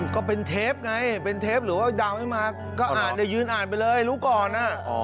ก็เป็นเทปไงหรือว่าดาวไม่มาก็ยืนอ่านไปเลยรู้ก่อน